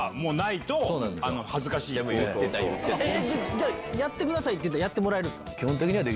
じゃあやってくださいって言うたらやってもらえるんすか？